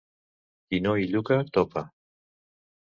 Qui no hi lluca, topa.